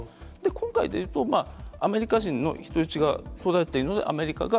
今回でいうと、アメリカ人の人質が捕らわれているので、アメリカが、